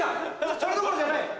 それどころじゃない。